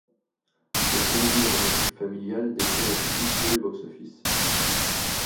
Cette comédie dramatique familiale déçoit la critique et le box-office.